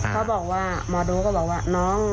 เขาบอกว่าหมอดูก็บอกว่าน้อง